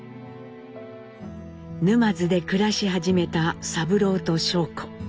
沼津で暮らし始めた三郎と尚子。